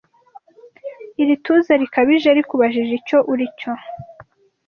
Ili tuza likabije Likubajije icyo uli cyo